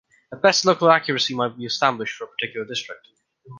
At best, local accuracy might be established for a particular district.